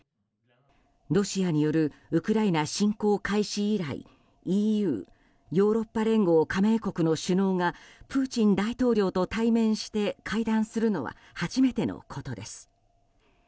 ロシアによるウクライナ侵攻開始以来ＥＵ・ヨーロッパ連合加盟国の首脳がプーチン大統領と対面して会談するのは初めてのことです。